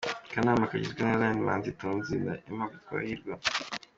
Akanama kagizwe na Lion Manzi, Tonzi na Aimable Twahirwa.